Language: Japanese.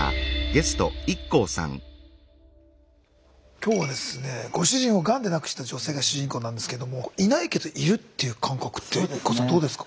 今日はですねご主人をがんで亡くした女性が主人公なんですけども「いないけどいる」っていう感覚ってＩＫＫＯさんどうですか？